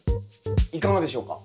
いかがでしょうか？